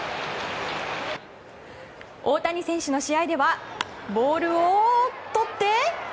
大谷選手の試合ではボールをとって。